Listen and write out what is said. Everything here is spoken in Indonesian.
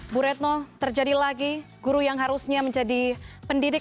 bu retno terjadi lagi guru yang harusnya menjadi pendidik